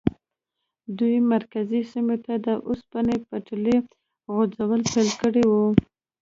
دوی مرکزي سیمو ته د اوسپنې پټلۍ غځول پیل کړي وو.